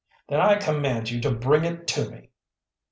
"Then I command you to bring it to me."